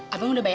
abang udah bayan